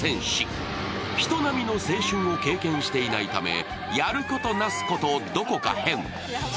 人並みの青春を経験していないためやることなすこと、どこか変。